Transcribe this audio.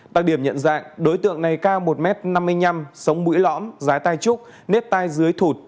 đặc điểm nhận dạng đối tượng này cao một m năm mươi năm sống bũi lõm giái tai trúc nếp tai dưới thụt